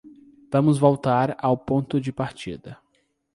Vamos voltar ao ponto de partida.